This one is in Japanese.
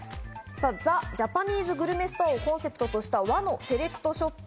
ザ・ジャパニーズ・グルメストアをコンセプトとした和のセレクトショップ